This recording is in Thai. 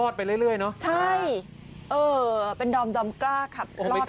ใช่เออเป็นดอมกล้า